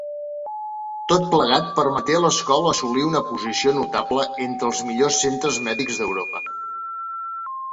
Tot plegat permeté a l'escola assolir una posició notable entre els millors centres mèdics d'Europa.